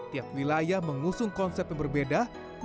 tiap wilayah mengusung konsep perusahaan